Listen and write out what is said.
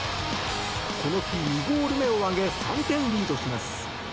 この日、２ゴール目を挙げ３点リードします。